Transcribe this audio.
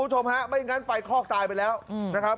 ผมชมฮะไม่งั้นฟังคลอกตายไปแล้วน่ะครับ